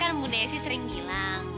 kan bunda ya sih sering bilang